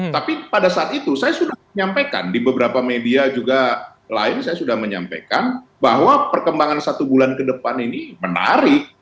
tapi pada saat itu saya sudah menyampaikan di beberapa media juga lain saya sudah menyampaikan bahwa perkembangan satu bulan ke depan ini menarik